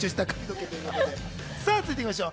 続いて行きましょう。